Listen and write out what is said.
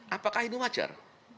apakah ini wajar